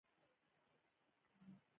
پۀ اسمان نرۍ نرۍ وريځې نمر يخ کړے وو